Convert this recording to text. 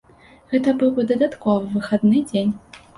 Гэта быў бы дадатковы выхадны дзень.